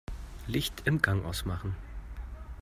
Licht im Gang ausmachen.